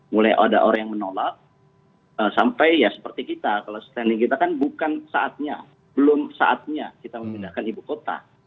mulai ada orang yang menolak sampai ya seperti kita kalau standing kita kan bukan saatnya belum saatnya kita memindahkan ibu kota